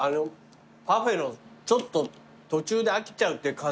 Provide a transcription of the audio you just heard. パフェのちょっと途中で飽きちゃうっていう感じがないよ。